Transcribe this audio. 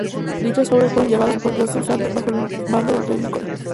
Dichas obras fueron llevadas por "Josip Slade" bajo el mando del rey "Nikola".